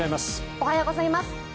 おはようございます。